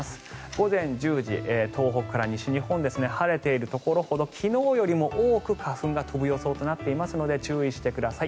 午前１０時、東北から西日本晴れているところほど昨日よりも多く花粉が飛ぶ予想となっていますので注意してください。